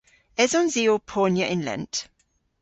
Esons i ow ponya yn lent?